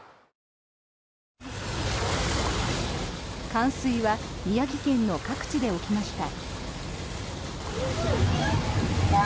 冠水は宮城県の各地で起きました。